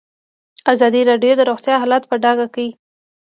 ازادي راډیو د روغتیا حالت په ډاګه کړی.